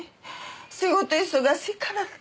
仕事忙しいからって。